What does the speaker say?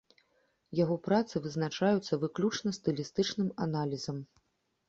Яго працы вызначаюцца выключна стылістычным аналізам.